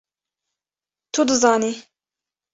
Tu dizanî!